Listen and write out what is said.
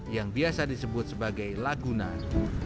yang biasa disebut sebagai lagunan